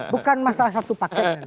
bukan masalah satu paket nenak